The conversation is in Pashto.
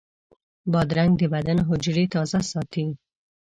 بادرنګ د بدن حجرې تازه ساتي.